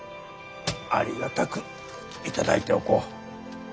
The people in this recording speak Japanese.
ありがたく頂いておこう。